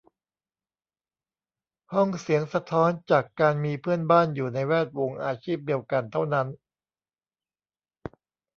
ห้องเสียงสะท้อนจากการมีเพื่อนบ้านอยู่ในแวดวงอาชีพเดียวกันเท่านั้น